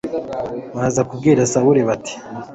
baza kubwira sawuli, bati